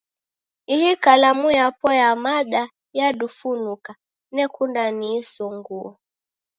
Ihi kalamu yapo ya mada yadufunuka, nekunda niisonguo.